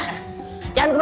kamu ikat dulu